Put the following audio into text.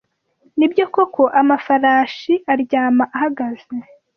Nibyo koko amafarashi aryama ahagaze?